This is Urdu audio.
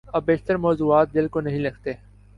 اب بیشتر موضوعات دل کو نہیں لگتے۔